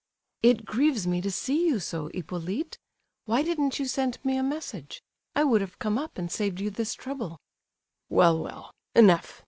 "It grieves me to see you so, Hippolyte. Why didn't you send me a message? I would have come up and saved you this trouble." "Well, well! Enough!